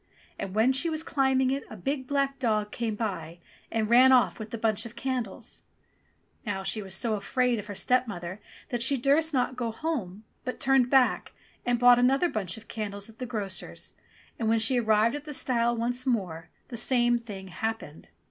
And when she was climbing it a big black dog came by and ran off with the bunch of candles ! Now she was so afraid of her stepmother that she durst not go home, but turned back and bought another bunch of candles at the grocer's, and when she arrived at the stile once more, the same thing happened.